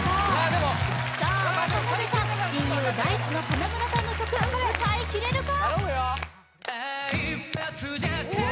でもさあ渡辺さん親友Ｄａ−ｉＣＥの花村さんの曲歌いきれるか？